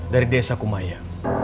dari desa kumaya